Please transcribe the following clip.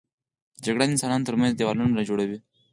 جګړه د انسانانو تر منځ دیوالونه جوړوي